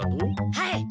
はい。